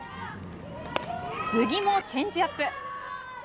次もチェンジアップ。